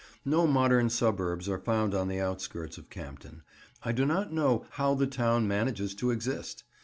No modern suburbs are found on the outskirts of Campden. I do not know how the town manages to exist.